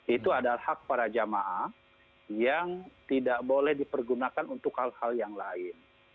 itu adalah hak para jemaah yang tidak boleh dipergunakan untuk hal hal yang lain